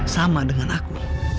sama dengan aku